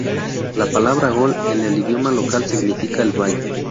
La palabra Gol en el idioma local significa "el valle".